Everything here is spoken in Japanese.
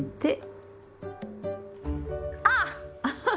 あっ！